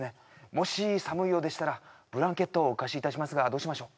もし寒いようでしたらブランケットをお貸ししますがどうしましょう？